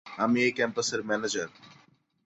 আমি এই ক্যাম্পের ম্যানেজার।